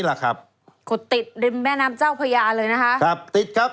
ติดแม่น้ำเจ้าพญาเลยนะครับ